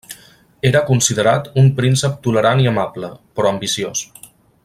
Era considerat un príncep tolerant i amable, però ambiciós.